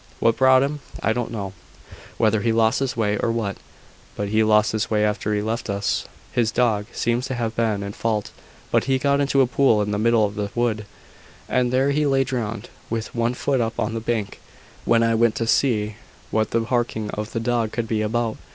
What brought him, I don't know whether he lost his way, or what; but he lost his way after he left us. His dog seems to have been in fault: but he got into a pool in the middle of the wood, and there he lay drowned, with one foot up on the bank, when I went to see what the harking of the dog could be about.